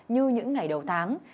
như những ngày đầu tháng